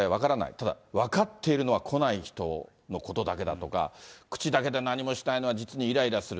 ただ分かっているのは来ない人のことだけだとか、口だけで何もしないのは、実にいらいらする。